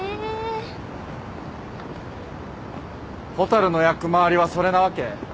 蛍の役回りはそれなわけ？